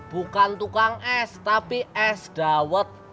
bukan tukang es tapi es dawet